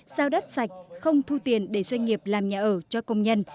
giao đất sạch không thu tiền để doanh nghiệp làm nhà ở cho công nhân